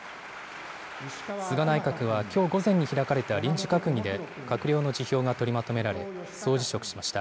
菅内閣はきょう午前に開かれた臨時閣議で、閣僚の辞表が取りまとめられ、総辞職しました。